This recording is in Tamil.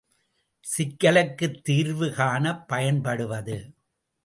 சிக்கலுக்குத் தீர்வு காணப் பயன்படுவது.